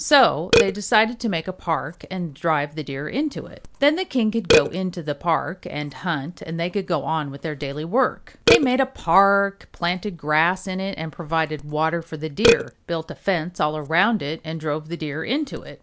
So they decided to make a park and drive the Deer into it. Then the king could go into the park and hunt and they could go on with their daily work. BANYAN DEER They made a park, planted grass in it and provided water for the Deer, built a fence all around it and drove the Deer into it.